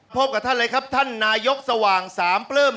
พบกับท่านเลยครับท่านนายกสว่างสามปลื้ม